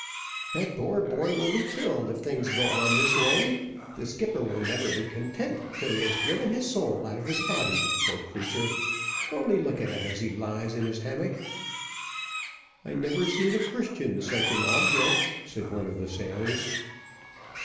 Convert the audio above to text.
"That poor boy will be killed if things go on this way: the skipper will never be content till he has driven his soul out of his body poor creature; only look at him as he lies in his hammock." "I never seed a Christian such an object," said one of the sailors.